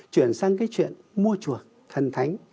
chuyển sang cái chuyện mua chùa thần thánh